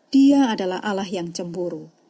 dia adalah allah yang cemburu